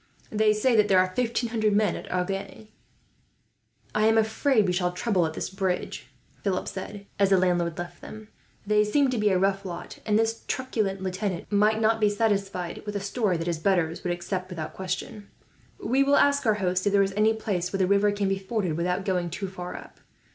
They say that there are fifteen hundred men at Agen." "I am afraid we shall have trouble at this bridge," Philip said, as the landlord left them. "They seem to be a rough lot, and this truculent lieutenant may not be satisfied with a story that his betters would accept, without question. We will ask our host if there is any place where the river can be forded, without going too far up.